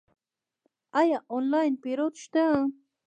آیا آنلاین پیرود شته؟